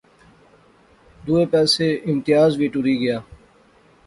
دوہے پاسے امتیاز وی ٹری گیا